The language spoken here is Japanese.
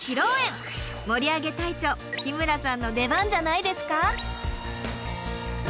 盛り上げ隊長日村さんの出番じゃないですか？